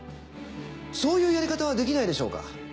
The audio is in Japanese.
そういうやり方はできないでしょうか。